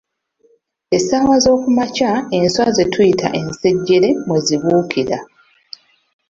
Essaawa zookumakya enswa ze tuyita ensejjere mwe zibuukira.